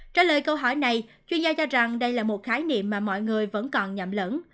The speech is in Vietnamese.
trả lời câu hỏi này chuyên gia cho rằng đây là một khái niệm mà mọi người vẫn còn nhậm lẫn